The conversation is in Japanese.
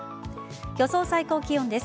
予想最高気温です。